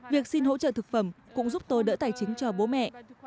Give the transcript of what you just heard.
việc xin hỗ trợ thực phẩm cũng giúp tôi đỡ tài chính cho bố mẹ